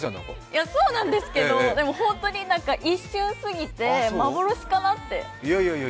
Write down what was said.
いや、そうなんですけど、本当に一瞬過ぎて幻かなって。